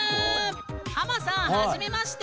ハマさんはじめまして！